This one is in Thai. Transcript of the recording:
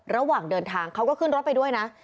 ระหว่างเดินทางเขาก็ขึ้นรถไปด้วยนะ